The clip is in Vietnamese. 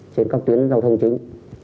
trên các tuyến giao thông chính